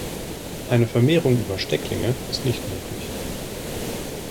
Eine Vermehrung über Stecklinge ist nicht möglich.